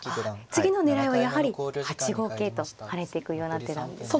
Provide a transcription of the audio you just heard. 次の狙いはやはり８五桂と跳ねていくような手なんですね。